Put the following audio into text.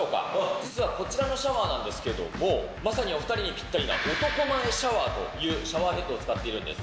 実はこちらのシャワーなんですけれども、まさにお２人にぴったりな男前シャワーというシャワーヘッドを使っているんです。